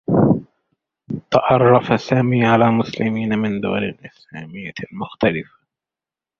تعرّف سامي على مسلمين من دول إسلاميّة مختلفة.